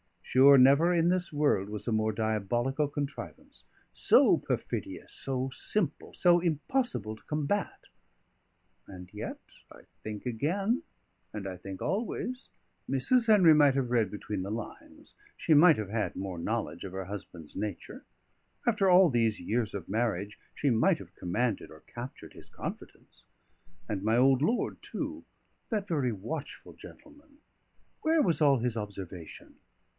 Sure, never in this world was a more diabolical contrivance: so perfidious, so simple, so impossible to combat. And yet I think again, and I think always, Mrs. Henry might have read between the lines; she might have had more knowledge of her husband's nature; after all these years of marriage she might have commanded or captured his confidence. And my old lord, too that very watchful gentleman where was all his observation?